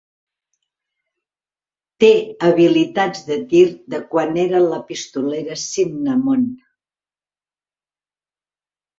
Té habilitats de tir de quan era la pistolera Cinnamon.